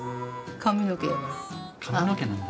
髪の毛なんだ。